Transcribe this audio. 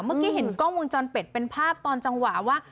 เมื่อกี้เห็นกล้องวงจรปิดเป็นภาพตอนจังหวะว่า